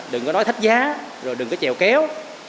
đừng có nói thấp giá rồi đừng có chèo kéo